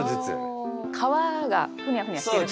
皮がふにゃふにゃしてるから。